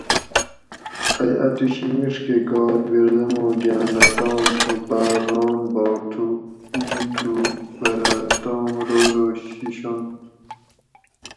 ائ اۤتوشی میڛکہ گات بیردموگاۤن اۤ تام تھو باۤر ران باگ تھو او تھو پرہ تام رو رو شیشنت